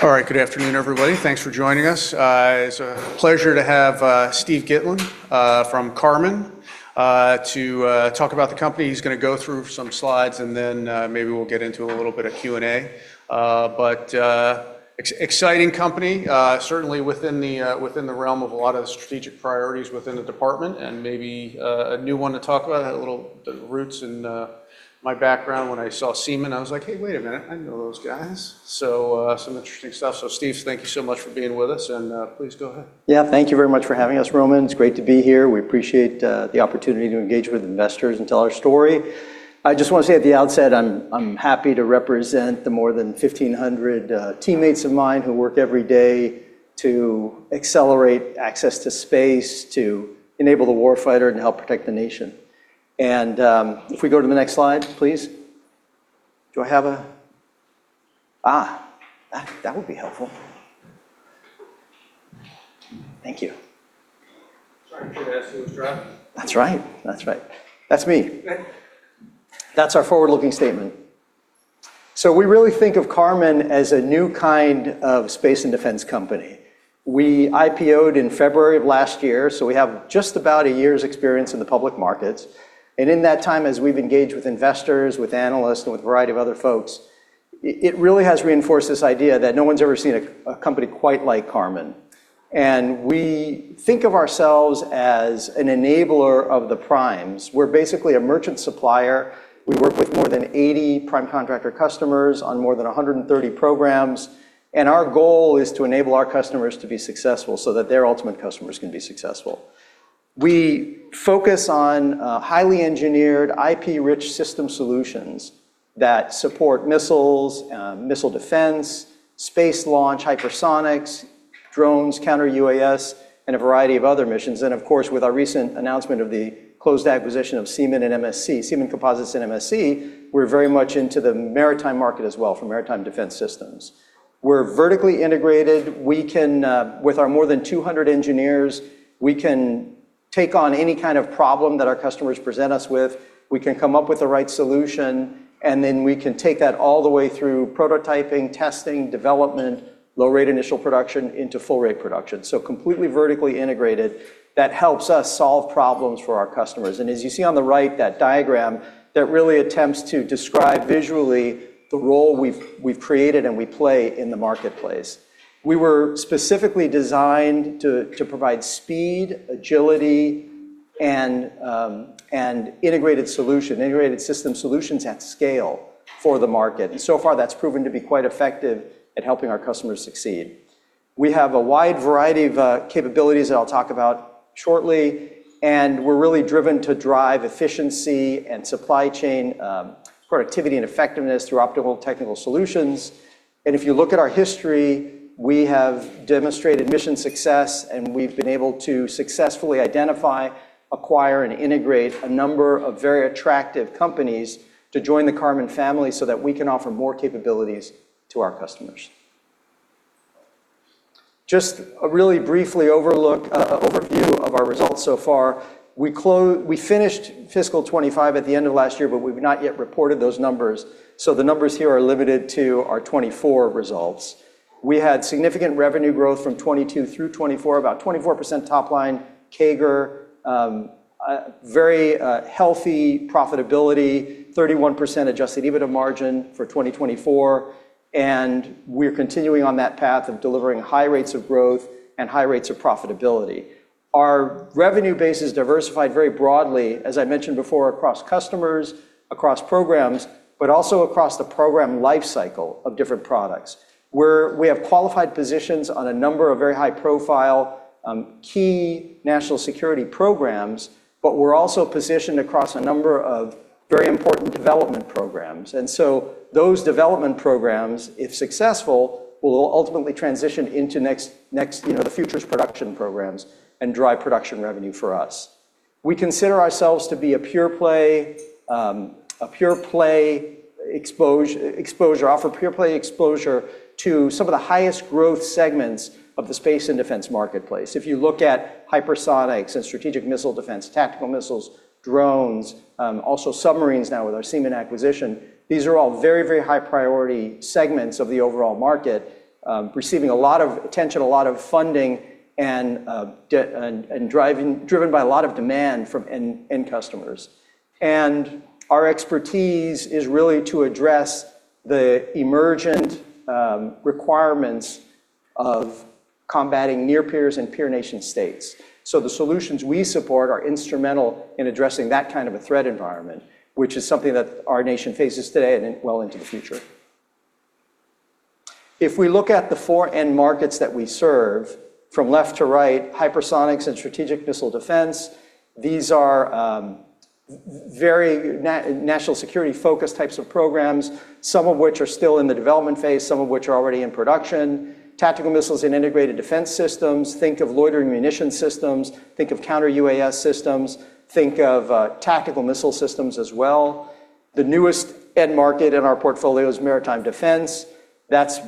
All right, good afternoon, everybody. Thanks for joining us. It's a pleasure to have Steve Gitlin from Karman to talk about the company. He's going to go through some slides, and then maybe we'll get into a little bit of Q&A. But exciting company, certainly within the realm of a lot of the strategic priorities within the department, and maybe a new one to talk about, a little roots in my background. When I saw Seemann, I was like, "Hey, wait a minute, I know those guys." So some interesting stuff. So Steve, thank you so much for being with us, and please go ahead. Yeah, thank you very much for having us, Roman. It's great to be here. We appreciate the opportunity to engage with investors and tell our story. I just want to say at the outset, I'm happy to represent the more than 1,500 teammates of mine who work every day to accelerate access to space, to enable the warfighter, and to help protect the nation. And if we go to the next slide, please. Do I have a? that would be helpful. Thank you. Sorry, I should have asked who was driving. That's right. That's right. That's me. That's our forward-looking statement. So we really think of Karman as a new kind of space and defense company. We IPOed in February of last year, so we have just about a year's experience in the public markets. And in that time, as we've engaged with investors, with analysts, and with a variety of other folks, it really has reinforced this idea that no one's ever seen a company quite like Karman. And we think of ourselves as an enabler of the primes. We're basically a merchant supplier. We work with more than 80 prime contractor customers on more than 130 programs. And our goal is to enable our customers to be successful so that their ultimate customers can be successful. We focus on highly engineered, IP-rich system solutions that support missiles, missile defense, space launch, hypersonics, drones, counter-UAS, and a variety of other missions. And of course, with our recent announcement of the closed acquisition of Seemann and MSC, Seemann Composites and MSC, we're very much into the maritime market as well for maritime defense systems. We're vertically integrated. With our more than 200 engineers, we can take on any kind of problem that our customers present us with. We can come up with the right solution, and then we can take that all the way through prototyping, testing, development, low-rate initial production, into full-rate production. So completely vertically integrated, that helps us solve problems for our customers. And as you see on the right, that diagram, that really attempts to describe visually the role we've created and we play in the marketplace. We were specifically designed to provide speed, agility, and integrated solutions, integrated system solutions at scale for the market. So far, that's proven to be quite effective at helping our customers succeed. We have a wide variety of capabilities that I'll talk about shortly. We're really driven to drive efficiency and supply chain, productivity, and effectiveness through optimal technical solutions. If you look at our history, we have demonstrated mission success, and we've been able to successfully identify, acquire, and integrate a number of very attractive companies to join the Karman family so that we can offer more capabilities to our customers. Just a really briefly overview of our results so far. We finished fiscal 2025 at the end of last year, but we've not yet reported those numbers. So the numbers here are limited to our 2024 results. We had significant revenue growth from 2022 through 2024, about 24% topline CAGR, very healthy profitability, 31% Adjusted EBITDA margin for 2024. We're continuing on that path of delivering high rates of growth and high rates of profitability. Our revenue base is diversified very broadly, as I mentioned before, across customers, across programs, but also across the program lifecycle of different products. We have qualified positions on a number of very high-profile key national security programs, but we're also positioned across a number of very important development programs. So those development programs, if successful, will ultimately transition into the futures production programs and drive production revenue for us. We consider ourselves to be a pure-play exposure, offer pure-play exposure to some of the highest growth segments of the space and defense marketplace. If you look at Hypersonics and strategic missile defense, tactical missiles, drones, also submarines now with our Seemann acquisition, these are all very, very high-priority segments of the overall market, receiving a lot of attention, a lot of funding, and driven by a lot of demand from end customers. And our expertise is really to address the emergent requirements of combating near peers and peer nation states. So the solutions we support are instrumental in addressing that kind of a threat environment, which is something that our nation faces today and well into the future. If we look at the four end markets that we serve, from left to right, Hypersonics and strategic missile defense, these are very national security-focused types of programs, some of which are still in the development phase, some of which are already in production. Tactical missiles and integrated defense systems, think of loitering munition systems, think of Counter-UAS systems, think of tactical missile systems as well. The newest end market in our portfolio is maritime defense. That's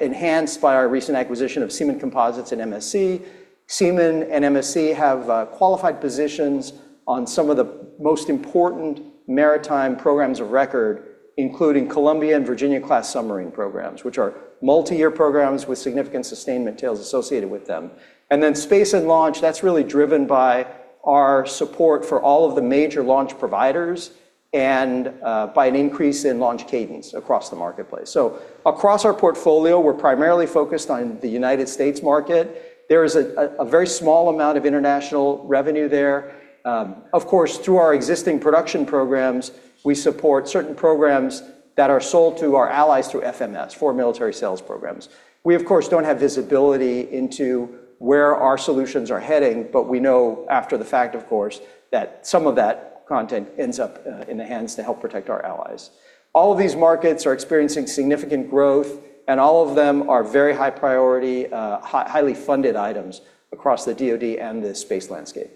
enhanced by our recent acquisition of Seemann Composites and MSC. Seemann and MSC have qualified positions on some of the most important maritime programs of record, including Columbia-class and Virginia-class submarine programs, which are multi-year programs with significant sustainment tails associated with them. And then space and launch, that's really driven by our support for all of the major launch providers and by an increase in launch cadence across the marketplace. So across our portfolio, we're primarily focused on the United States market. There is a very small amount of international revenue there. Of course, through our existing production programs, we support certain programs that are sold to our allies through FMS, foreign military sales programs. We, of course, don't have visibility into where our solutions are heading, but we know after the fact, of course, that some of that content ends up in the hands to help protect our allies. All of these markets are experiencing significant growth, and all of them are very high-priority, highly funded items across the DoD and the space landscape.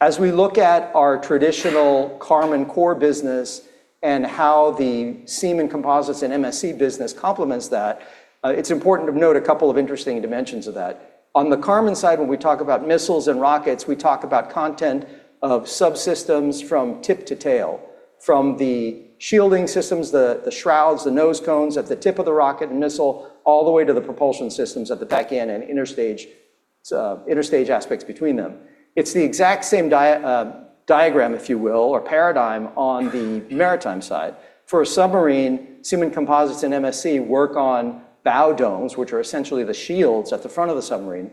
As we look at our traditional Karman core business and how the Seemann Composites and MSC business complements that, it's important to note a couple of interesting dimensions of that. On the Karman side, when we talk about missiles and rockets, we talk about content of subsystems from tip to tail, from the shielding systems, the shrouds, the nose cones at the tip of the rocket and missile, all the way to the propulsion systems at the back end and interstage aspects between them. It's the exact same diagram, if you will, or paradigm on the maritime side. For a submarine, Seemann Composites and MSC work on bow domes, which are essentially the shields at the front of the submarine.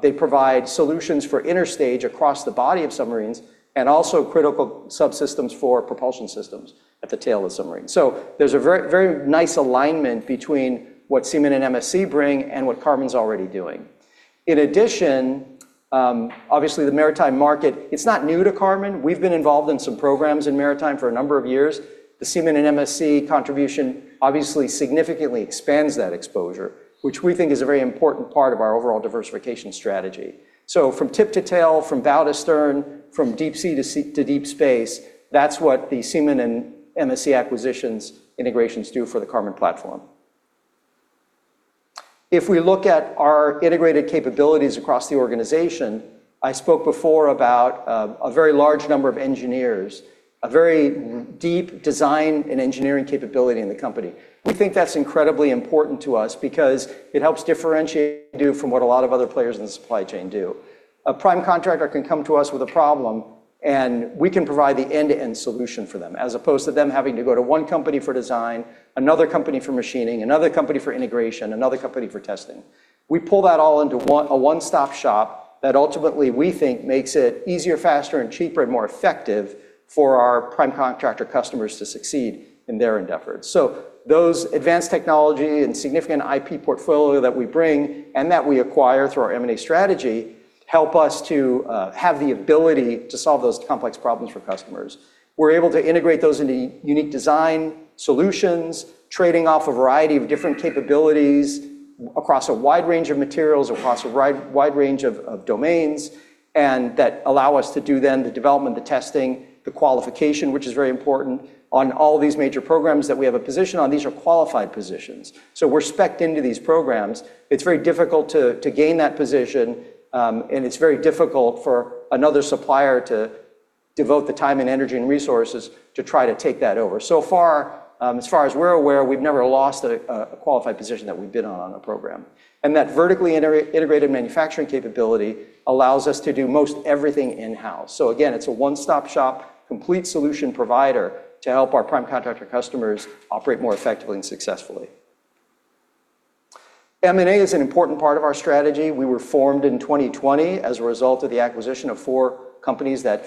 They provide solutions for interstage across the body of submarines and also critical subsystems for propulsion systems at the tail of submarines. So there's a very nice alignment between what Seemann and MSC bring and what Karman's already doing. In addition, obviously, the maritime market, it's not new to Karman. We've been involved in some programs in maritime for a number of years. The Seemann and MSC contribution obviously significantly expands that exposure, which we think is a very important part of our overall diversification strategy. So from tip to tail, from bow to stern, from deep sea to deep space, that's what the Seemann and MSC acquisitions integrations do for the Karman platform. If we look at our integrated capabilities across the organization, I spoke before about a very large number of engineers, a very deep design and engineering capability in the company. We think that's incredibly important to us because it helps differentiate you from what a lot of other players in the supply chain do. A prime contractor can come to us with a problem, and we can provide the end-to-end solution for them, as opposed to them having to go to one company for design, another company for machining, another company for integration, another company for testing. We pull that all into a one-stop shop that ultimately we think makes it easier, faster, and cheaper, and more effective for our prime contractor customers to succeed in their endeavors. So those advanced technology and significant IP portfolio that we bring and that we acquire through our M&A strategy help us to have the ability to solve those complex problems for customers. We're able to integrate those into unique design solutions, trading off a variety of different capabilities across a wide range of materials, across a wide range of domains, and that allow us to do then the development, the testing, the qualification, which is very important. On all of these major programs that we have a position on, these are qualified positions. So we're specced into these programs. It's very difficult to gain that position, and it's very difficult for another supplier to devote the time and energy and resources to try to take that over. So far, as far as we're aware, we've never lost a qualified position that we've been on a program. That vertically integrated manufacturing capability allows us to do most everything in-house. So again, it's a one-stop shop, complete solution provider to help our prime contractor customers operate more effectively and successfully. M&A is an important part of our strategy. We were formed in 2020 as a result of the acquisition of 4 companies that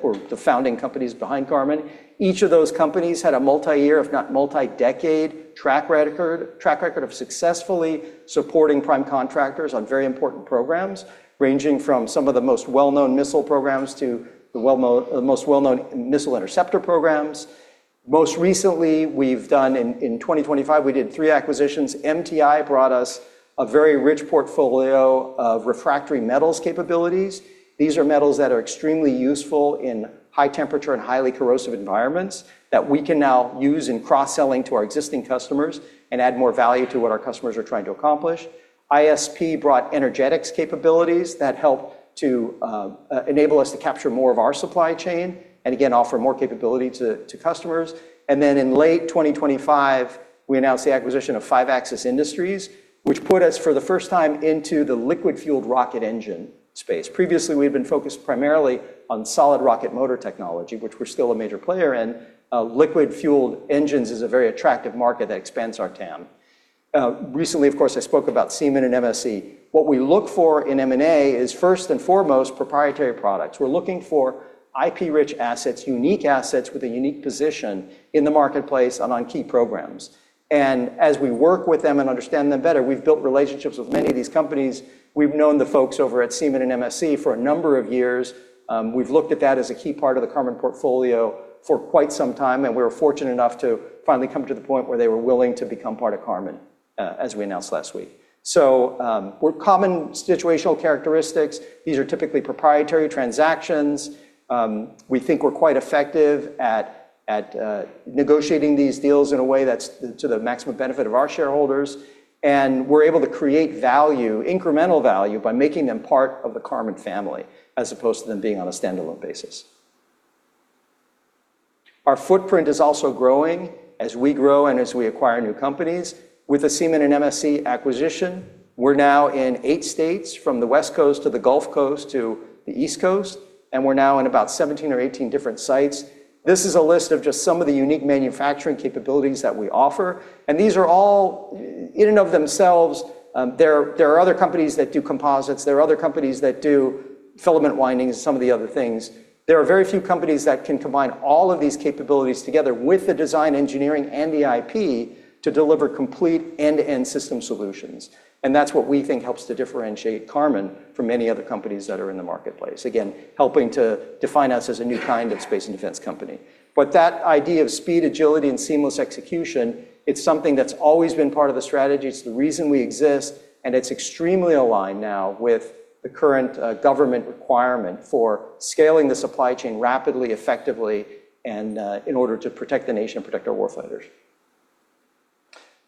were the founding companies behind Karman. Each of those companies had a multi-year, if not multi-decade, track record of successfully supporting prime contractors on very important programs, ranging from some of the most well-known missile programs to the most well-known missile interceptor programs. Most recently, we've done in 2025, we did three acquisitions. MTI brought us a very rich portfolio of refractory metals capabilities. These are metals that are extremely useful in high-temperature and highly corrosive environments that we can now use in cross-selling to our existing customers and add more value to what our customers are trying to accomplish. ISP brought energetics capabilities that helped to enable us to capture more of our supply chain and, again, offer more capability to customers. And then in late 2025, we announced the acquisition of Five Axis Industries, which put us for the first time into the liquid-fueled rocket engine space. Previously, we had been focused primarily on solid rocket motor technology, which we're still a major player in. Liquid-fueled engines is a very attractive market that expands our TAM. Recently, of course, I spoke about Seemann and MSC. What we look for in M&A is, first and foremost, proprietary products. We're looking for IP-rich assets, unique assets with a unique position in the marketplace and on key programs. As we work with them and understand them better, we've built relationships with many of these companies. We've known the folks over at Seemann and MSC for a number of years. We've looked at that as a key part of the Karman portfolio for quite some time. We were fortunate enough to finally come to the point where they were willing to become part of Karman, as we announced last week. So we see common situational characteristics. These are typically proprietary transactions. We think we're quite effective at negotiating these deals in a way that's to the maximum benefit of our shareholders. We're able to create value, incremental value, by making them part of the Karman family as opposed to them being on a standalone basis. Our footprint is also growing as we grow and as we acquire new companies. With the Seemann and MSC acquisition, we're now in eight states, from the West Coast to the Gulf Coast to the East Coast. We're now in about 17 or 18 different sites. This is a list of just some of the unique manufacturing capabilities that we offer. These are all in and of themselves, there are other companies that do composites. There are other companies that do filament windings and some of the other things. There are very few companies that can combine all of these capabilities together with the design, engineering, and the IP to deliver complete end-to-end system solutions. That's what we think helps to differentiate Karman from many other companies that are in the marketplace, again, helping to define us as a new kind of space and defense company. But that idea of speed, agility, and seamless execution, it's something that's always been part of the strategy. It's the reason we exist. And it's extremely aligned now with the current government requirement for scaling the supply chain rapidly, effectively, and in order to protect the nation and protect our warfighters.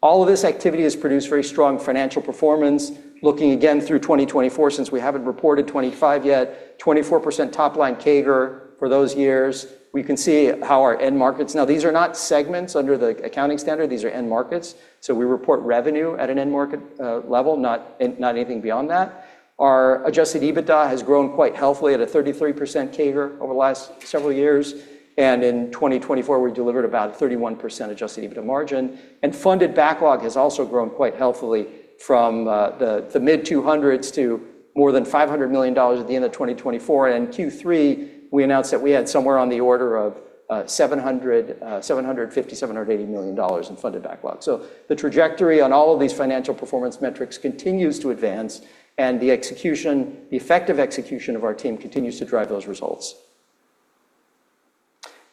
All of this activity has produced very strong financial performance. Looking again through 2024, since we haven't reported 2025 yet, 24% topline CAGR for those years. We can see how our end markets now, these are not segments under the accounting standard. These are end markets. So we report revenue at an end market level, not anything beyond that. Our adjusted EBITDA has grown quite healthily at a 33% CAGR over the last several years. And in 2024, we delivered about a 31% adjusted EBITDA margin. Funded backlog has also grown quite healthily from the mid-200s to more than $500 million at the end of 2024. In Q3, we announced that we had somewhere on the order of $750 million-$780 million in funded backlog. The trajectory on all of these financial performance metrics continues to advance. The effective execution of our team continues to drive those results.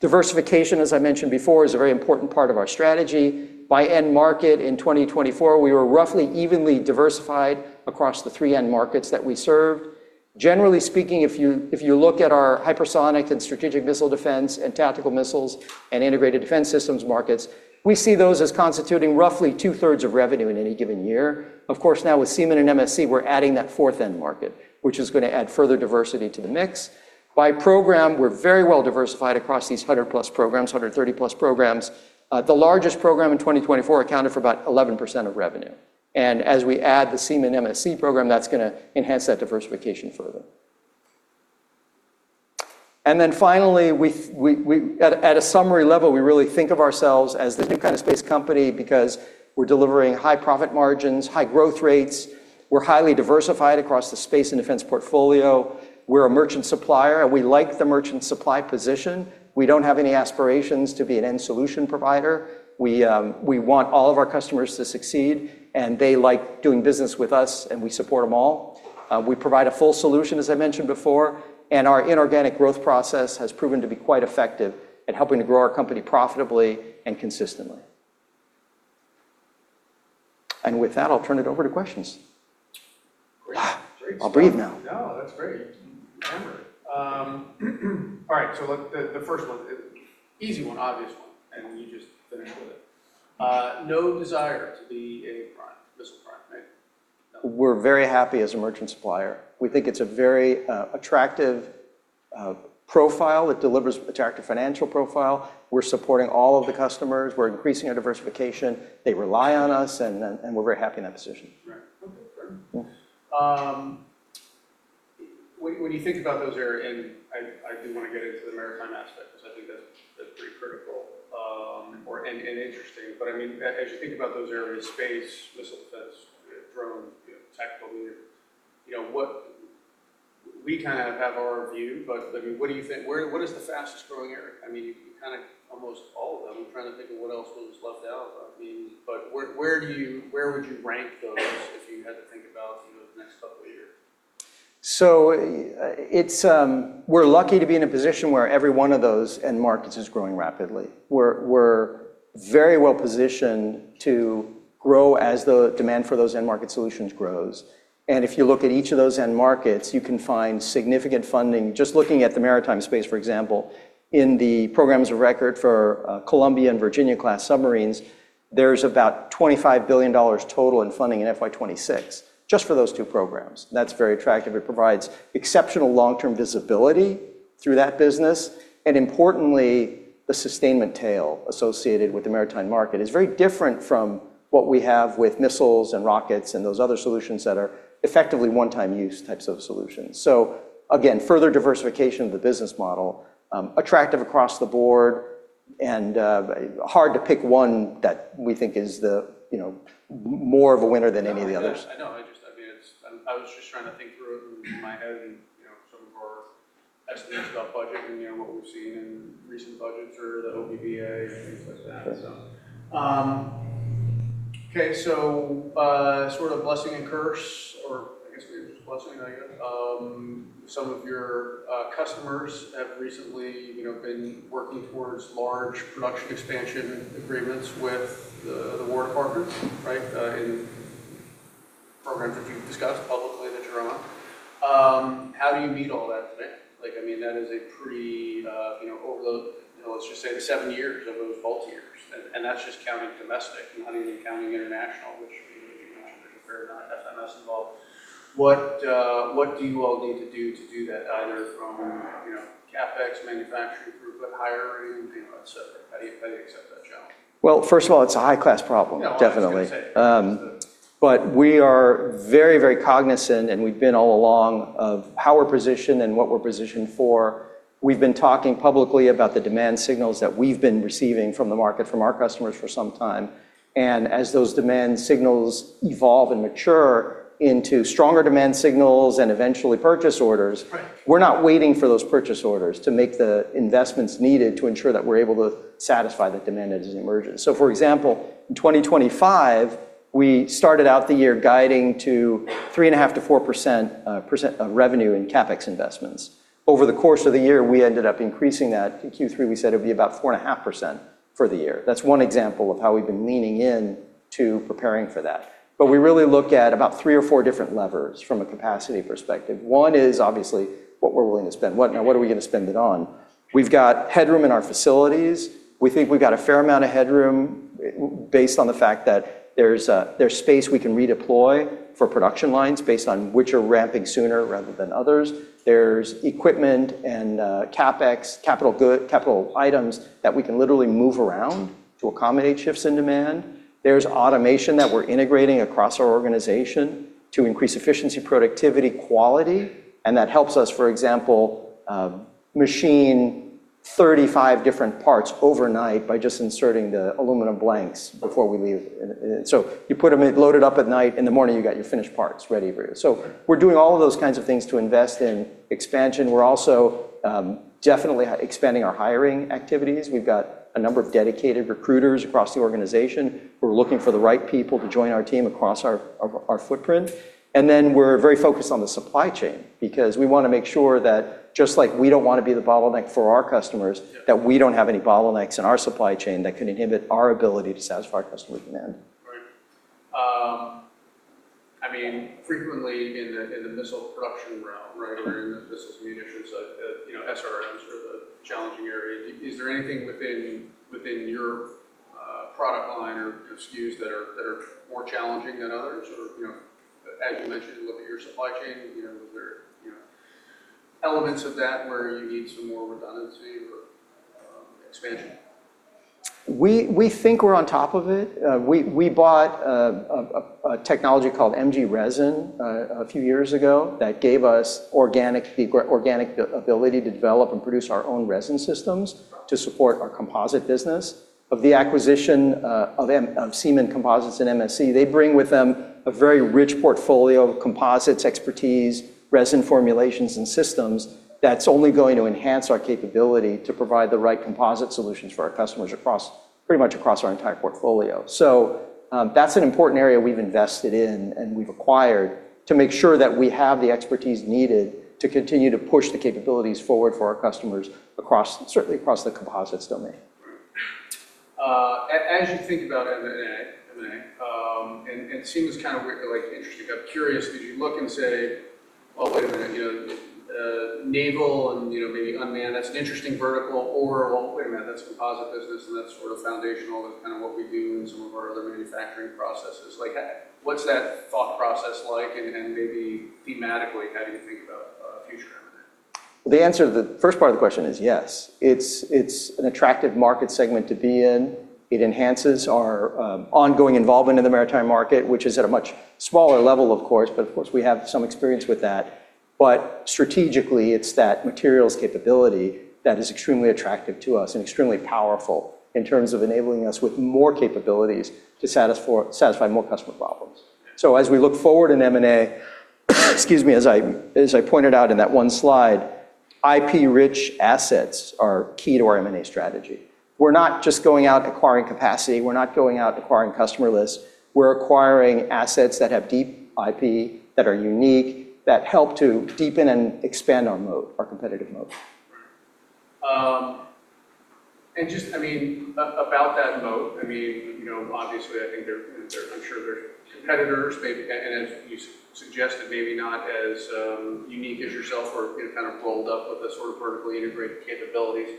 Diversification, as I mentioned before, is a very important part of our strategy. By end market in 2024, we were roughly evenly diversified across the three end markets that we served. Generally speaking, if you look at our hypersonic and strategic missile defense and tactical missiles and integrated defense systems markets, we see those as constituting roughly two-thirds of revenue in any given year. Of course, now with Seemann and MSC, we're adding that fourth end market, which is going to add further diversity to the mix. By program, we're very well diversified across these 100-plus programs, 130-plus programs. The largest program in 2024 accounted for about 11% of revenue. As we add the Seemann MSC program, that's going to enhance that diversification further. Then finally, at a summary level, we really think of ourselves as the new kind of space company because we're delivering high profit margins, high growth rates. We're highly diversified across the space and defense portfolio. We're a merchant supplier, and we like the merchant supply position. We don't have any aspirations to be an end solution provider. We want all of our customers to succeed, and they like doing business with us, and we support them all. We provide a full solution, as I mentioned before. Our inorganic growth process has proven to be quite effective at helping to grow our company profitably and consistently. With that, I'll turn it over to questions. Great. I'll breathe now. No, that's great. You hammer it. All right. The first one, easy one, obvious one, and you just finish with it. No desire to be a missile prime, right? We're very happy as a merchant supplier. We think it's a very attractive profile. It delivers an attractive financial profile. We're supporting all of the customers. We're increasing our diversification. They rely on us, and we're very happy in that position. Right. Okay. Sure. When you think about those areas, and I do want to get into the maritime aspect because I think that's pretty critical and interesting. But I mean, as you think about those areas, space, missile defense, drone, tactical, we kind of have our view. But I mean, what do you think? What is the fastest growing area? I mean, you kind of almost all of them. I'm trying to think of what else was left out. I mean, but where would you rank those if you had to think about the next couple of years? So we're lucky to be in a position where every one of those end markets is growing rapidly. We're very well positioned to grow as the demand for those end market solutions grows. And if you look at each of those end markets, you can find significant funding. Just looking at the maritime space, for example, in the programs of record for Columbia-class and Virginia-class submarines, there's about $25 billion total in funding in FY26 just for those two programs. That's very attractive. It provides exceptional long-term visibility through that business. And importantly, the sustainment tail associated with the maritime market is very different from what we have with missiles and rockets and those other solutions that are effectively one-time-use types of solutions. So again, further diversification of the business model, attractive across the board, and hard to pick one that we think is more of a winner than any of the others. I know. I mean, I was just trying to think through it in my head and some of our estimates about budget and what we've seen in recent budgets or the OBPA and things like that, so. Okay. So, sort of a blessing and curse, or I guess maybe just a blessing, I guess. Some of your customers have recently been working towards large production expansion agreements with the war department, right, in programs that you've discussed publicly that you're on. How do you meet all that today? I mean, that is a pretty over the—let's just say—the seven years of those vault years. And that's just counting domestic and not even counting international, which I think you mentioned there's a fair amount of FMS involved. What do you all need to do to do that, either from CapEx, manufacturing throughput, hiring, etc.? How do you accept that challenge? Well, first of all, it's a high-class problem, definitely. But we are very, very cognizant, and we've been all along, of how we're positioned and what we're positioned for. We've been talking publicly about the demand signals that we've been receiving from the market, from our customers for some time. As those demand signals evolve and mature into stronger demand signals and eventually purchase orders, we're not waiting for those purchase orders to make the investments needed to ensure that we're able to satisfy the demand as it emerges. For example, in 2025, we started out the year guiding to 3.5%-4% of revenue in CapEx investments. Over the course of the year, we ended up increasing that. In Q3, we said it would be about 4.5% for the year. That's one example of how we've been leaning into preparing for that. We really look at about three or four different levers from a capacity perspective. One is, obviously, what we're willing to spend. Now, what are we going to spend it on? We've got headroom in our facilities. We think we've got a fair amount of headroom based on the fact that there's space we can redeploy for production lines based on which are ramping sooner rather than others. There's equipment and CapEx, capital items that we can literally move around to accommodate shifts in demand. There's automation that we're integrating across our organization to increase efficiency, productivity, quality. And that helps us, for example, machine 35 different parts overnight by just inserting the aluminum blanks before we leave. So you put them loaded up at night. In the morning, you've got your finished parts ready for you. So we're doing all of those kinds of things to invest in expansion. We're also definitely expanding our hiring activities. We've got a number of dedicated recruiters across the organization. We're looking for the right people to join our team across our footprint. And then we're very focused on the supply chain because we want to make sure that just like we don't want to be the bottleneck for our customers, that we don't have any bottlenecks in our supply chain that can inhibit our ability to satisfy customer demand. Right. I mean, frequently in the missile production realm, right, or in the missiles and munitions, SRMs are the challenging areas. Is there anything within your product line or SKUs that are more challenging than others? Or as you mentioned, you look at your supply chain, was there elements of that where you need some more redundancy or expansion? We think we're on top of it. We bought a technology called MG Resin a few years ago that gave us the organic ability to develop and produce our own resin systems to support our composite business. Of the acquisition of Seemann Composites and MSC, they bring with them a very rich portfolio of composites, expertise, resin formulations, and systems that's only going to enhance our capability to provide the right composite solutions for our customers pretty much across our entire portfolio. So that's an important area we've invested in and we've acquired to make sure that we have the expertise needed to continue to push the capabilities forward for our customers, certainly across the composites domain. As you think about M&A, and Seemann kind of interesting, I'm curious, did you look and say, "Well, wait a minute, naval and maybe unmanned, that's an interesting vertical," or, "Well, wait a minute, that's composite business, and that's sort of foundational to kind of what we do in some of our other manufacturing processes"? What's that thought process like? And maybe thematically, how do you think about future M&A? The first part of the question is yes. It's an attractive market segment to be in. It enhances our ongoing involvement in the maritime market, which is at a much smaller level, of course. But of course, we have some experience with that. But strategically, it's that materials capability that is extremely attractive to us and extremely powerful in terms of enabling us with more capabilities to satisfy more customer problems. So as we look forward in M&A, excuse me, as I pointed out in that one slide, IP-rich assets are key to our M&A strategy. We're not just going out acquiring capacity. We're not going out acquiring customer lists. We're acquiring assets that have deep IP, that are unique, that help to deepen and expand our moat, our competitive moat. Right. Just, I mean, about that moat, I mean, obviously, I think there, I'm sure there's competitors, and as you suggested, maybe not as unique as yourself or kind of rolled up with a sort of vertically integrated capabilities.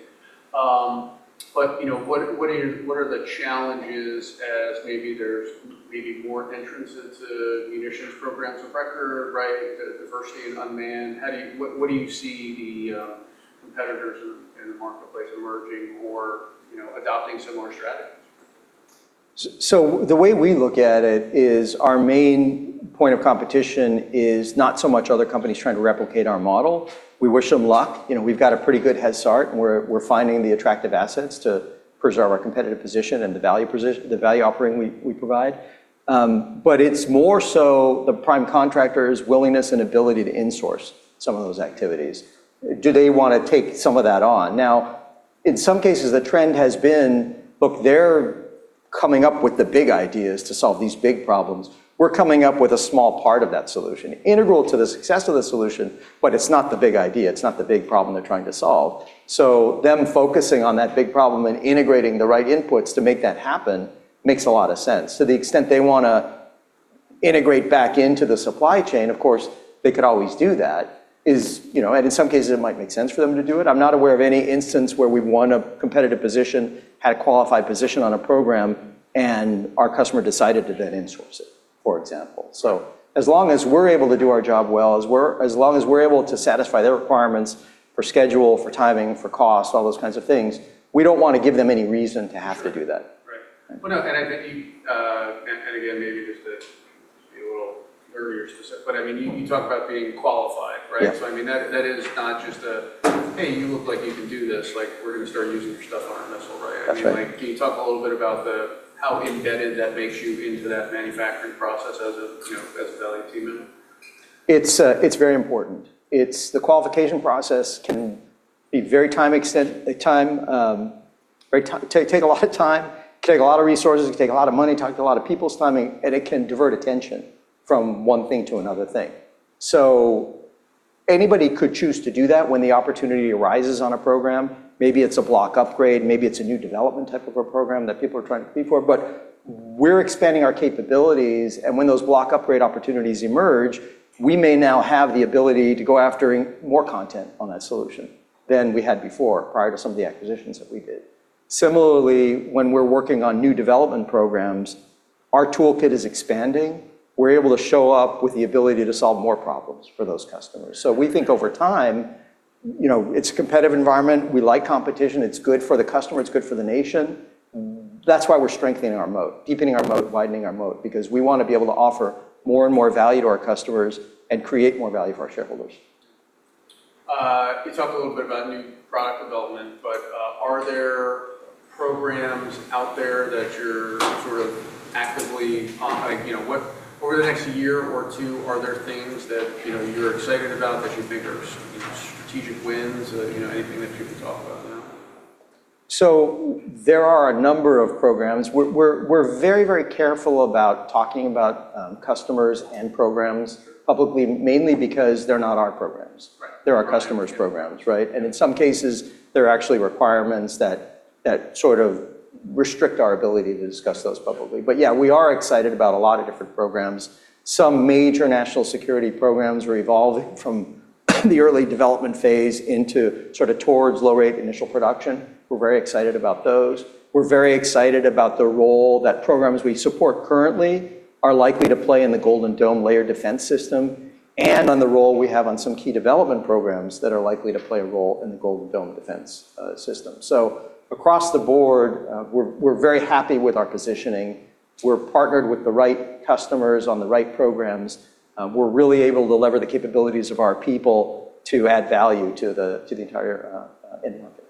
But what are the challenges as maybe more entrants to munitions programs of record, right, diversity and unmanned? What do you see the competitors in the marketplace emerging or adopting similar strategies? So the way we look at it is our main point of competition is not so much other companies trying to replicate our model. We wish them luck. We've got a pretty good head start, and we're finding the attractive assets to preserve our competitive position and the value offering we provide. But it's more so the prime contractor's willingness and ability to insource some of those activities. Do they want to take some of that on? Now, in some cases, the trend has been, "Look, they're coming up with the big ideas to solve these big problems. We're coming up with a small part of that solution, integral to the success of the solution, but it's not the big idea. It's not the big problem they're trying to solve." So them focusing on that big problem and integrating the right inputs to make that happen makes a lot of sense. To the extent they want to integrate back into the supply chain, of course, they could always do that. And in some cases, it might make sense for them to do it. I'm not aware of any instance where we won a competitive position, had a qualified position on a program, and our customer decided to then insource it, for example. So as long as we're able to do our job well, as long as we're able to satisfy their requirements for schedule, for timing, for cost, all those kinds of things, we don't want to give them any reason to have to do that. Right. Well, no. And I think you and again, maybe just to be a little nerdier specific, but I mean, you talk about being qualified, right? So I mean, that is not just a, "Hey, you look like you can do this. We're going to start using your stuff on our missile," right? I mean, can you talk a little bit about how embedded that makes you into that manufacturing process as a value team member? It's very important. The qualification process can be very time-taking, take a lot of time, take a lot of resources, take a lot of money, talk to a lot of people's timing, and it can divert attention from one thing to another thing. So anybody could choose to do that when the opportunity arises on a program. Maybe it's a block upgrade. Maybe it's a new development type of a program that people are trying to compete for. But we're expanding our capabilities. And when those block upgrade opportunities emerge, we may now have the ability to go after more content on that solution than we had before, prior to some of the acquisitions that we did. Similarly, when we're working on new development programs, our toolkit is expanding. We're able to show up with the ability to solve more problems for those customers. So we think over time, it's a competitive environment. We like competition. It's good for the customer. It's good for the nation. That's why we're strengthening our moat, deepening our moat, widening our moat, because we want to be able to offer more and more value to our customers and create more value for our shareholders. You talked a little bit about new product development, but are there programs out there that you're sort of actively over the next year or two, are there things that you're excited about that you think are strategic wins, anything that people talk about now? So there are a number of programs. We're very, very careful about talking about customers and programs publicly, mainly because they're not our programs. They're our customers' programs, right? And in some cases, they're actually requirements that sort of restrict our ability to discuss those publicly. But yeah, we are excited about a lot of different programs. Some major national security programs are evolving from the early development phase into sort of towards low-rate initial production. We're very excited about those. We're very excited about the role that programs we support currently are likely to play in the Guam Defense layered defense system and on the role we have on some key development programs that are likely to play a role in the Guam Defense defense system. So across the board, we're very happy with our positioning. We're partnered with the right customers on the right programs. We're really able to lever the capabilities of our people to add value to the entire market.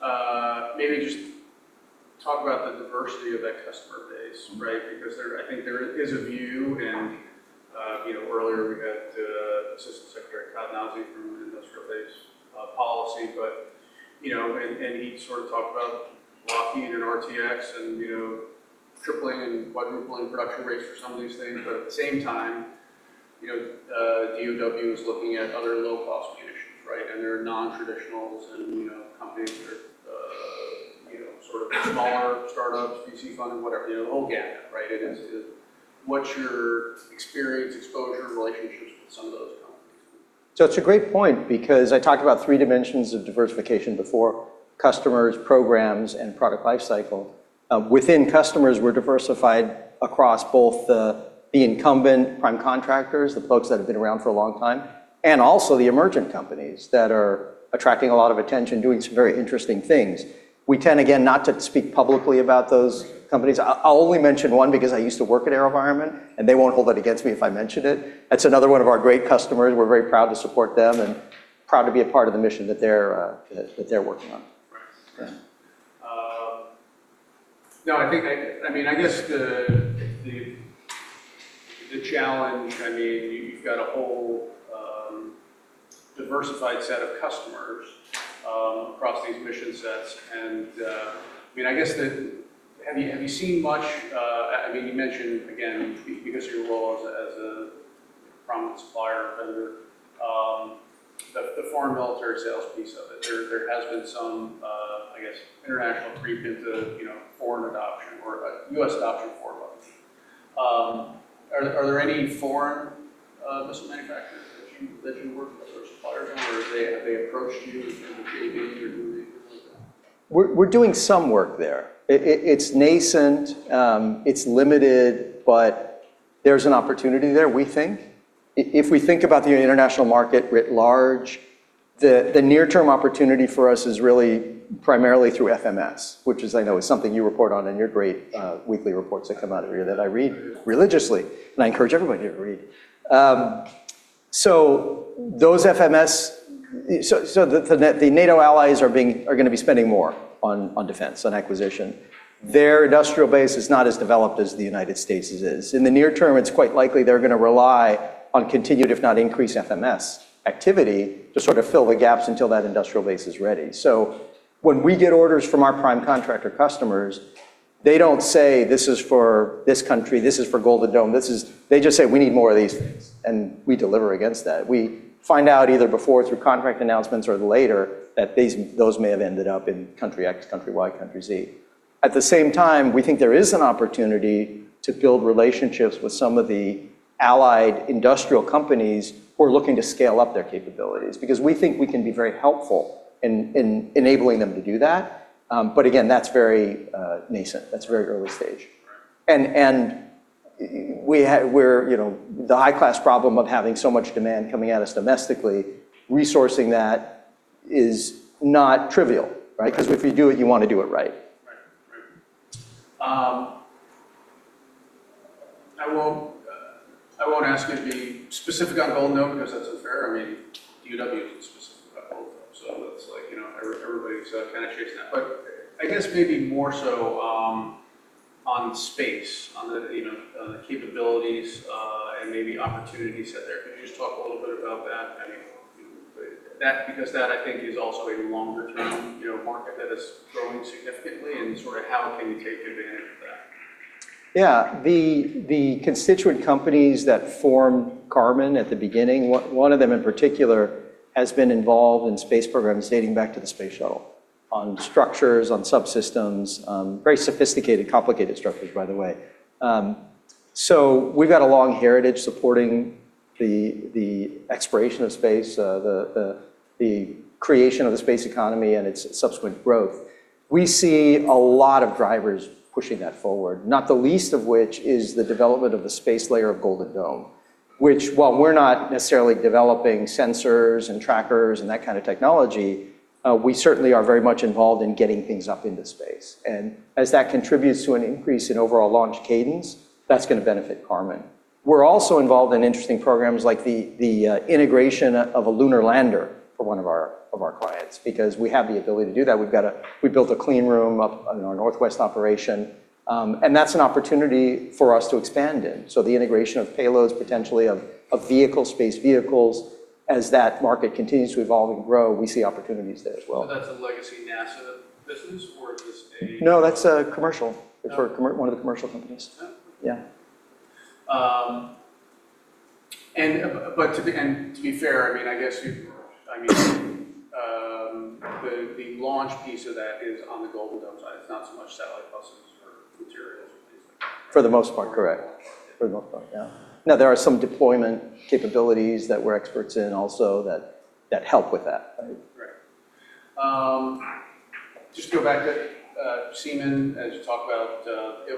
Right. Maybe just talk about the diversity of that customer base, right, because I think there is a view. Earlier, we had Assistant Secretary Todd Nauzi from Industrial Base Policy, and he sort of talked about locking in RTX and tripling and quadrupling production rates for some of these things. But at the same time, DoD is looking at other low-cost munitions, right, and their non-traditionals and companies that are sort of smaller startups, VC funded, whatever, the whole gamut, right? What's your experience, exposure, relationships with some of those companies? So it's a great point because I talked about three dimensions of diversification before: customers, programs, and product lifecycle. Within customers, we're diversified across both the incumbent prime contractors, the folks that have been around for a long time, and also the emergent companies that are attracting a lot of attention, doing some very interesting things. We tend, again, not to speak publicly about those companies. I'll only mention one because I used to work at AeroVironment, and they won't hold that against me if I mention it. That's another one of our great customers. We're very proud to support them and proud to be a part of the mission that they're working on. Right. Yeah. No, I mean, I guess the challenge, I mean, you've got a whole diversified set of customers across these mission sets. And I mean, I guess that have you seen much I mean, you mentioned, again, because of your role as a prominent supplier or vendor, the foreign military sales piece of it. There has been some, I guess, international creep into foreign adoption or U.S. adoption foreign weapons. Are there any foreign missile manufacturers that you work with or suppliers on, or have they approached you and been engaging or doing anything like that? We're doing some work there. It's nascent. It's limited, but there's an opportunity there, we think. If we think about the international market writ large, the near-term opportunity for us is really primarily through FMS, which I know is something you report on in your great weekly reports that come out of your that I read religiously, and I encourage everybody to read. So those FMS so the NATO allies are going to be spending more on defense, on acquisition. Their industrial base is not as developed as the United States' is. In the near term, it's quite likely they're going to rely on continued, if not increased, FMS activity to sort of fill the gaps until that industrial base is ready. So when we get orders from our prime contractor customers, they don't say, "This is for this country. This is for Guam Defense." They just say, "We need more of these things," and we deliver against that. We find out either before through contract announcements or later that those may have ended up in country X, country Y, country Z. At the same time, we think there is an opportunity to build relationships with some of the allied industrial companies who are looking to scale up their capabilities because we think we can be very helpful in enabling them to do that. But again, that's very nascent. That's very early stage. And we're the high-class problem of having so much demand coming at us domestically. Resourcing that is not trivial, right, because if you do it, you want to do it right. Right. Right. I won't ask you to be specific on Guam Defense because that's unfair. I mean, DoD isn't specific about Guam Defense, so that's like everybody's kind of chasing that. But I guess maybe more so on space, on the capabilities and maybe opportunities out there. Could you just talk a little bit about that? I mean, because that, I think, is also a longer-term market that is growing significantly, and sort of how can you take advantage of that? Yeah. The constituent companies that formed Karman at the beginning, one of them in particular has been involved in space programs dating back to the Space Shuttle, on structures, on subsystems, very sophisticated, complicated structures, by the way. So we've got a long heritage supporting the exploration of space, the creation of the space economy, and its subsequent growth. We see a lot of drivers pushing that forward, not the least of which is the development of the space layer of Guam Defense, which, while we're not necessarily developing sensors and trackers and that kind of technology, we certainly are very much involved in getting things up into space. And as that contributes to an increase in overall launch cadence, that's going to benefit Karman. We're also involved in interesting programs like the integration of a lunar lander for one of our clients because we have the ability to do that. We've built a clean room up in our northwest operation, and that's an opportunity for us to expand in. So the integration of payloads, potentially of vehicles, space vehicles, as that market continues to evolve and grow, we see opportunities there as well. So that's a legacy NASA business, or is this a? No, that's commercial. It's one of the commercial companies. Yeah. And to be fair, I mean, I guess you've, I mean, the launch piece of that is on the Guam Defense side. It's not so much satellite buses or materials or things like that. For the most part, correct. For the most part, yeah. Now, there are some deployment capabilities that we're experts in also that help with that, right? Right. Just go back to Seemann as you talk about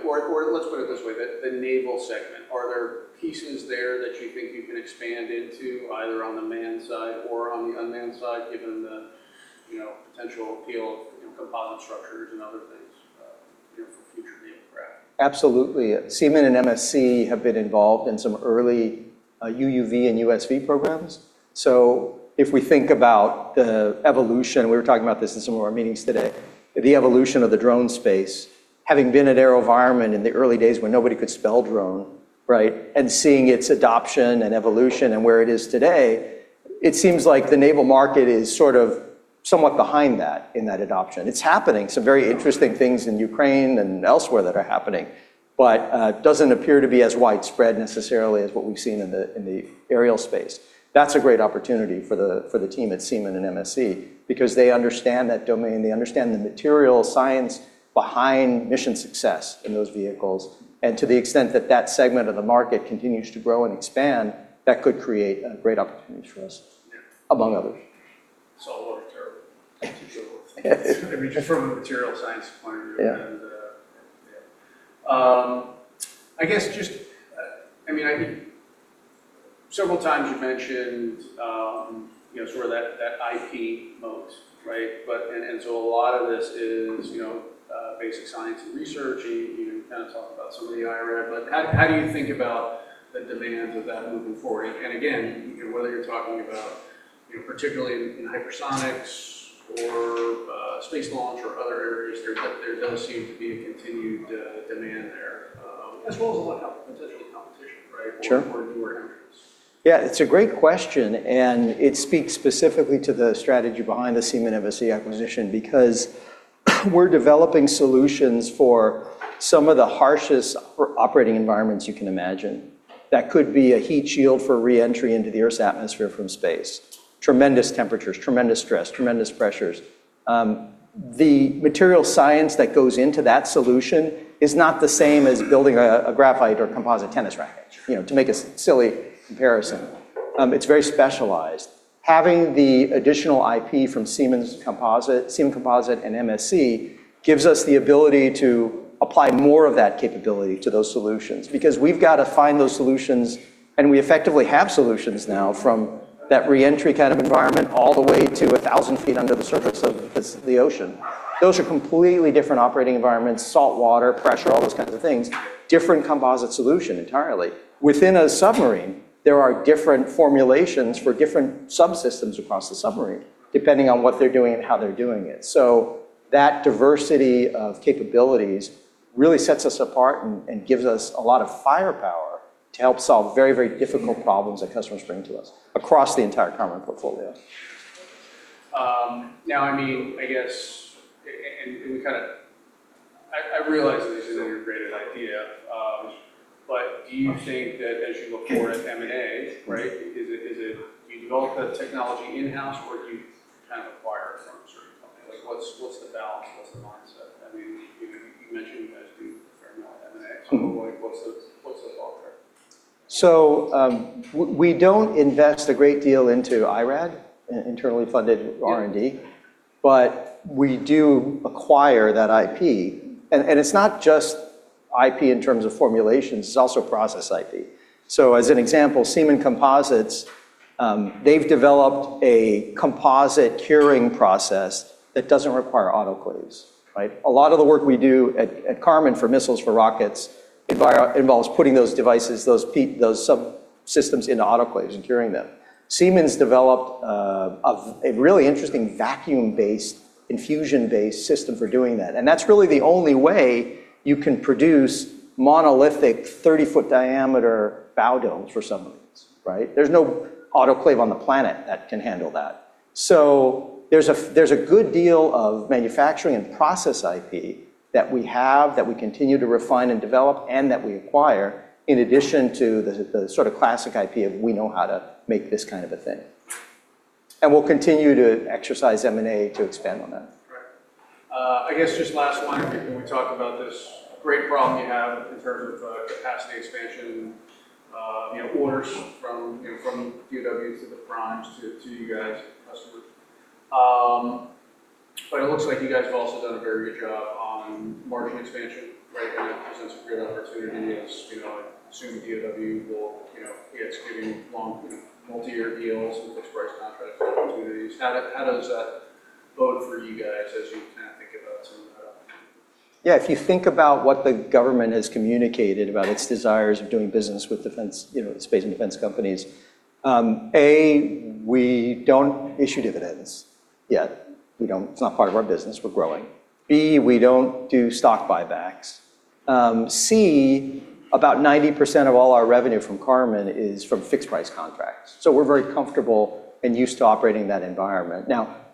or let's put it this way, the naval segment. Are there pieces there that you think you can expand into either on the manned side or on the unmanned side, given the potential appeal of composite structures and other things for future naval craft? Absolutely. Seemann and MSC have been involved in some early UUV and USV programs. So if we think about the evolution and we were talking about this in some of our meetings today, the evolution of the drone space, having been at AeroVironment in the early days when nobody could spell drone, right, and seeing its adoption and evolution and where it is today, it seems like the naval market is sort of somewhat behind that in that adoption. It's happening. Some very interesting things in Ukraine and elsewhere that are happening, but it doesn't appear to be as widespread necessarily as what we've seen in the aerial space. That's a great opportunity for the team at Seemann and MSC because they understand that domain. They understand the materials science behind mission success in those vehicles. And to the extent that that segment of the market continues to grow and expand, that could create great opportunities for us, among others. Solar terrible. I mean, just from a material science point of view. Yeah. I guess just I mean, I think several times you mentioned sort of that IP moat, right? And so a lot of this is basic science and research. You kind of talked about some of the IRAD, but how do you think about the demands of that moving forward? And again, whether you're talking about particularly in hypersonics or space launch or other areas, there does seem to be a continued demand there, as well as a lot of potentially competition, right, for newer entrants. Sure. Yeah, it's a great question. And it speaks specifically to the strategy behind the Seemann MSC acquisition because we're developing solutions for some of the harshest operating environments you can imagine. That could be a heat shield for reentry into the Earth's atmosphere from space, tremendous temperatures, tremendous stress, tremendous pressures. The material science that goes into that solution is not the same as building a graphite or composite tennis racket, to make a silly comparison. It's very specialized. Having the additional IP from Seemann Composites and MSC gives us the ability to apply more of that capability to those solutions because we've got to find those solutions. And we effectively have solutions now from that reentry kind of environment all the way to 1,000 feet under the surface of the ocean. Those are completely different operating environments: saltwater, pressure, all those kinds of things, different composite solution entirely. Within a submarine, there are different formulations for different subsystems across the submarine, depending on what they're doing and how they're doing it. So that diversity of capabilities really sets us apart and gives us a lot of firepower to help solve very, very difficult problems that customers bring to us across the entire Karman portfolio. Now, I mean, I guess and we kind of I realize that this isn't your greatest idea, but do you think that as you look forward at M&A, right, do you develop the technology in-house, or do you kind of acquire it from a certain company? What's the balance? What's the mindset? I mean, you mentioned you guys do a fair amount of M&A. So what's the thought there? So we don't invest a great deal into IRAD, internally funded R&D, but we do acquire that IP. And it's not just IP in terms of formulations. It's also process IP. So as an example, Seemann Composites, they've developed a composite curing process that doesn't require autoclaves, right? A lot of the work we do at Karman for missiles, for rockets, involves putting those devices, those subsystems into autoclaves and curing them. Seemann's developed a really interesting vacuum-based, infusion-based system for doing that. And that's really the only way you can produce monolithic 30-foot diameter bow domes for submarines, right? There's no autoclave on the planet that can handle that. So there's a good deal of manufacturing and process IP that we have, that we continue to refine and develop, and that we acquire in addition to the sort of classic IP of, "We know how to make this kind of a thing." And we'll continue to exercise M&A to expand on that. Right. I guess just last line, can we talk about this great problem you have in terms of capacity expansion, orders from DoD to the primes to you guys, customers? But it looks like you guys have also done a very good job on margin expansion, right, and that presents a great opportunity as I assume DoD will, it's giving multi-year deals and fixed-price contracts and opportunities. How does that bode for you guys as you kind of think about some of that opportunity? Yeah. If you think about what the government has communicated about its desires of doing business with space and defense companies, A, we don't issue dividends yet. It's not part of our business. We're growing. B, we don't do stock buybacks. C, about 90% of all our revenue from Karman is from fixed-price contracts. So we're very comfortable and used to operating that environment.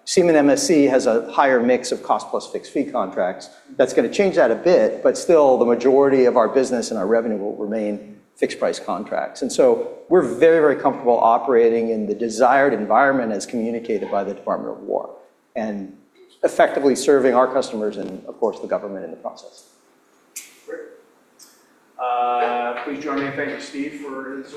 Now, Seemann MSC has a higher mix of cost-plus fixed-fee contracts. That's going to change that a bit, but still, the majority of our business and our revenue will remain fixed-price contracts. And so we're very, very comfortable operating in the desired environment as communicated by the Department of Defense and effectively serving our customers and, of course, the government in the process. Great. Please join me. Thank you, Steve, for his.